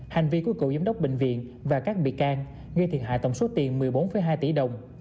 hành vi của cựu giám đốc bệnh viện và các bị can gây thiệt hại tổng số tiền một mươi bốn hai tỷ đồng